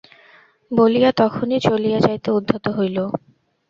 বলিয়া তখনি চলিয়া যাইতে উদ্যত হইল।